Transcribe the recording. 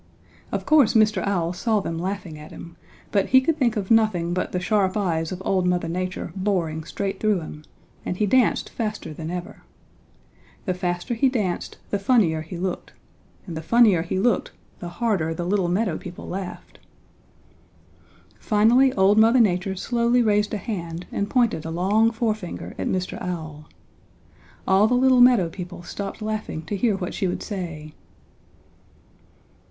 "Of course Mr. Owl saw them laughing at him, but he could think of nothing but the sharp eyes of old Mother Nature boring straight through him, and he danced faster than ever. The faster he danced the funnier he looked, and the funnier he looked the harder the little meadow people laughed. "Finally old Mother Nature slowly raised a hand and pointed a long forefinger at Mr. Owl. All the little meadow people stopped laughing to hear what she would say.